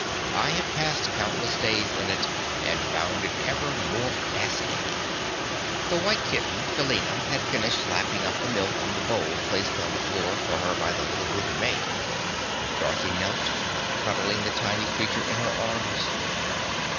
I have passed countless days in it and found it ever more fascinating." The White Kitten, Felina, had finished lapping up the milk from the bowl placed on the floor for her by the little wooden maid. Dorothy knelt, cuddling the tiny creature in her arms.